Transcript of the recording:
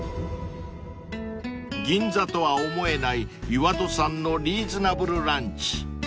［銀座とは思えない岩戸さんのリーズナブルランチ］